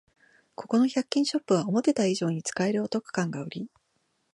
ここの百均ショップは思ってた以上に使えるお得感がウリ